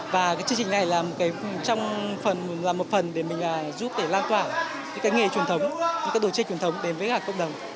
và chương trình này là một phần để mình giúp lan tỏa những cái nghề truyền thống những cái đồ chơi truyền thống đến với các cộng đồng